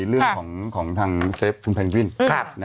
เรื่องของทางเซฟคุณแพลงกวินนะครับ